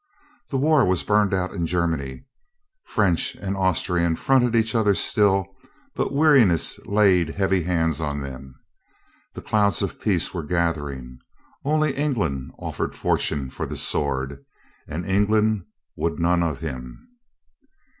The war was burned out in Germany. French and Austrian fronted each other still, but weariness laid heavy hands on them. The clouds of peace were gathering. Only England offered fortune for the sword, and England would none of him.